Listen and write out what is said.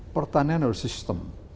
pertanian adalah sistem